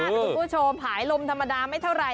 แต่คุณผู้ชมผายลมธรรมดาไม่เท่าไหร่